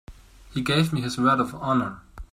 He gave me his word of honor.